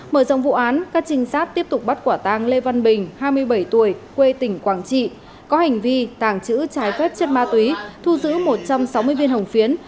mở rộng vụ án các trinh sát tiếp tục bắt quả tàng lê văn bình hai mươi bảy tuổi quê tỉnh quảng trị có hành vi tàng trữ trái phép chất ma túy thu giữ một trăm sáu mươi viên hồng phiến